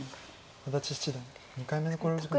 安達七段２回目の考慮時間に入りました。